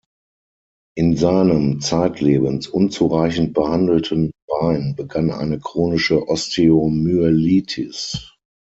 In seinem zeitlebens unzureichend behandelten Bein begann eine chronische Osteomyelitis.